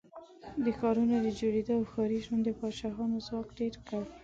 د ښارونو د جوړېدو او ښاري ژوند د پاچاهانو ځواک ډېر کړ.